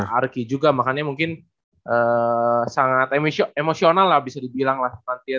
harci juga makanya mungkin sangat emisio emosional abis abis yang bilang pasien kemung juga tahun tahun